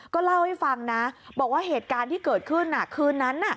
ก็เล่าให้ฟังนะบอกว่าเหตุการณ์ที่เกิดขึ้นคืนนั้น